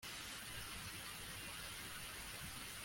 Tom na Mariya ntibigera basangira hamwe